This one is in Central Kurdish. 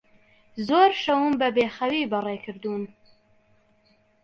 زۆر شەوم بەبێخەوی بەڕێ کردوون.